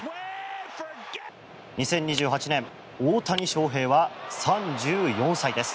２０２８年大谷翔平は３４歳です。